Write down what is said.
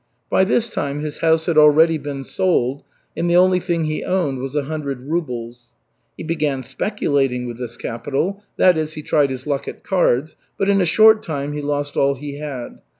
By this time his house had already been sold, and the only thing he owned was a hundred rubles. He began "speculating" with this capital, that is, he tried his luck at cards, but in a short time he lost all he had.